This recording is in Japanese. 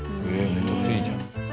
めちゃくちゃいいじゃん。